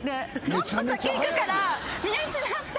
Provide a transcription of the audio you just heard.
もっと先行くから見失って。